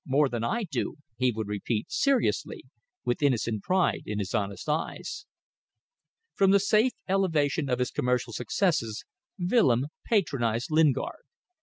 More than I do," he would repeat, seriously, with innocent pride in his honest eyes. From the safe elevation of his commercial successes Willems patronized Lingard.